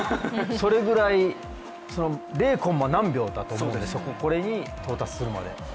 それぐらい０コンマ何秒だと思うんでこれに到達するまで。